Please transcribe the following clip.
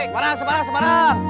semarang semarang semarang